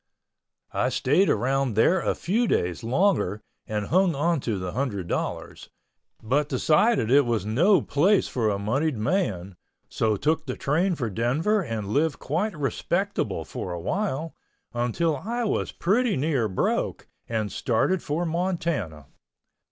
I stayed around there a few days longer and hung onto the hundred dollars, but decided it was no place for a moneyed man, so took the train for Denver and lived quite respectable for awhile until I was pretty near broke and started for Montana.